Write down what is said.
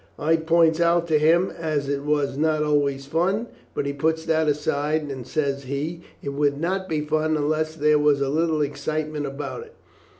I points out to him as it was not always fun, but he puts that aside, and, says he, it would not be fun unless there was a little excitement about it.